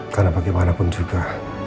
karena bagaimanapun juga